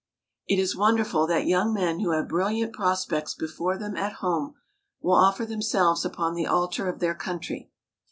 It is wonderful that young men who have brilliant prospects before them at home, will offer themselves upon the altar of their country.